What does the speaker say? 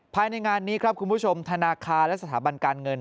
ภายในงานนี้ครับคุณผู้ชมธนาคารและสถาบันการเงิน